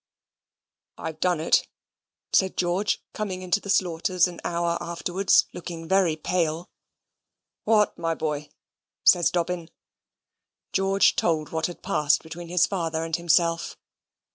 "I've done it," said George, coming into the Slaughters' an hour afterwards, looking very pale. "What, my boy?" says Dobbin. George told what had passed between his father and himself.